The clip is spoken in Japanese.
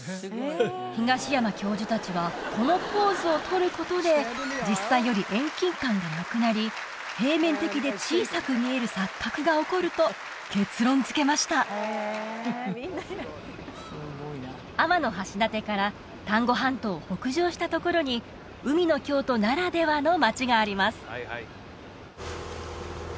東山教授達はこのポーズをとることで実際より遠近感がなくなり平面的で小さく見える錯覚が起こると結論づけました天橋立から丹後半島を北上したところに海の京都ならではの町があります